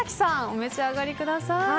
お召し上がりください。